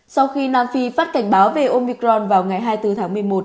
sau khi nam phi phát cảnh báo về omicron vào ngày hai mươi bốn tháng một mươi một